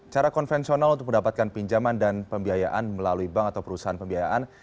cara konvensional untuk mendapatkan pinjaman dan pembiayaan melalui bank atau perusahaan pembiayaan